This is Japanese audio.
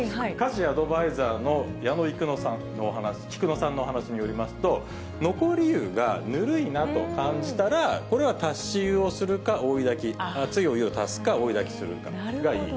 家事アドバイザーの矢野きくのさんのお話によりますと、残り湯がぬるいなと感じたら、これは足し湯をするか、追いだき、熱いお湯を足すか、追いだきするかがいい。